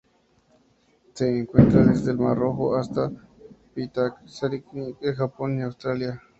Se encuentra desde el Mar Rojo hasta Pitcairn, el Japón y Australia.